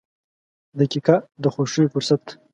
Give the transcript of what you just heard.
• دقیقه د خوښۍ فرصت ده.